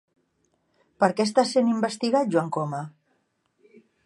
Per què està sent investigat Joan Coma?